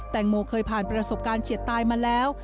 งงเคยผ่านประสบการณ์เฉียดตายมาแล้ว